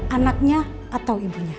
anaknya atau ibunya